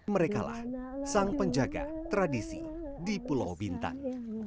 merekalah sang penjaga tradisi di pulau bintan